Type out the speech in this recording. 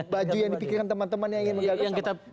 baju yang dipikirkan teman teman yang ingin menggagal kita